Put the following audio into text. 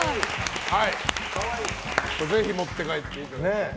ぜひ持って帰っていただきたい。